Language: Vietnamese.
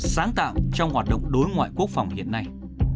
sáng tạo trong hoạt động đối ngoại quốc phòng hiện nay